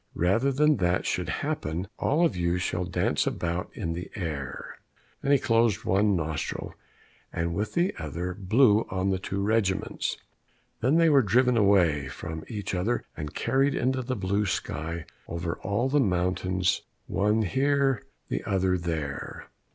Rather than that should happen, all of you shall dance about in the air." And he closed one nostril, and with the other blew on the two regiments. Then they were driven away from each other, and carried into the blue sky over all the mountains one here, the other there.